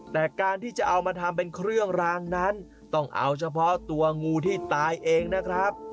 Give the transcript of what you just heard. แต่การที่จะเอามาทำเป็นเครื่องรางนั้นต้องเอาเฉพาะตัวงูที่ตายเองนะครับ